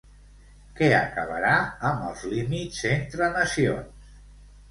Què acabarà amb els límits entre nacions?